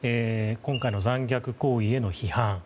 今回の残虐行為への批判